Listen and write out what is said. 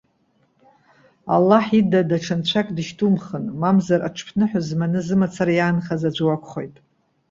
Аллаҳ ида даҽа Нцәак дышьҭумхын! Мамзар, аҽыԥныҳәа зманы зымацара иаанхаз аӡә уакәхоит.